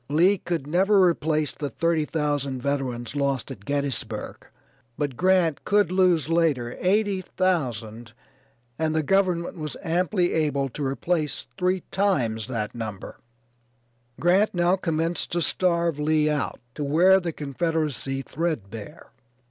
Lee could never replace the 30,000 veterans lost at Gettysburg, but Grant could lose later 80,000 and the government was amply able to replace three times that number. Grant now commenced to starve Lee out, to wear the Confederacy threadbare.